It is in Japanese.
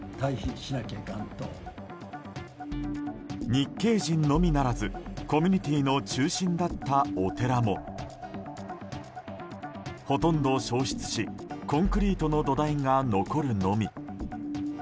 日系人のみならずコミュニティーの中心だったお寺もほとんど焼失しコンクリートの土台が残るのみ。